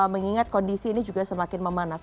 mengingat kondisi ini juga semakin memanas